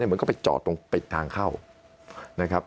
เหมือนก็ไปจอดตรงปิดทางเข้านะครับ